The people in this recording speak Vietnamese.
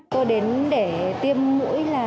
tôi đến để tiêm mũi là